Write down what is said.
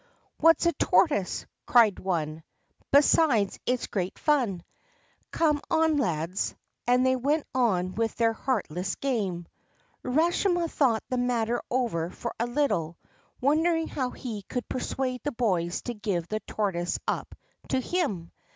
'What's a tortoise?' cried one. ' Besides, it 's great fun. Come on, lads I ' And they went on with their heartless game. Urashima thought the matter over for a little, wondering how he could persuade the boys to give the tortoise up to him.